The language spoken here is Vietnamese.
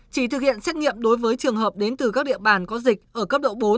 chỉ thực hiện xét nghiệm đối với trường hợp đến từ các địa bàn có dịch ở cấp độ bốn